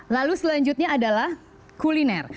lalu selanjutnya adalah kuliner